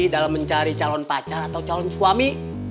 dalam mencari calon pacar atau calon suami